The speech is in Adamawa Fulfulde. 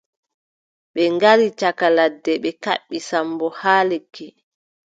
Ɓe ngari caka ladde ɓe kaɓɓi Sammbo haa lekki.